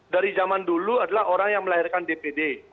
dari zaman dulu adalah orang yang melahirkan dpd